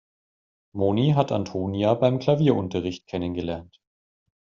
Moni hat Antonia beim Klavierunterricht kennengelernt.